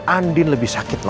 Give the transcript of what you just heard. andin lebih sakit no